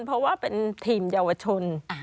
เพราะว่าเป็นทีมเยาวชน